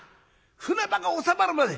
船場が収まるまで！